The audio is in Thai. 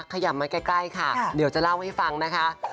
ขยำมาใกล้ค่ะเดี๋ยวจะเล่าให้ฟังนะคะ